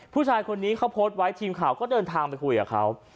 ผู้ชายคนนี้เขาโพสต์ไว้ทีมข่าวก็เดินทางไปคุยกับเขา